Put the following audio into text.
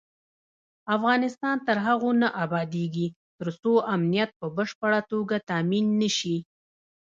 افغانستان تر هغو نه ابادیږي، ترڅو امنیت په بشپړه توګه تامین نشي.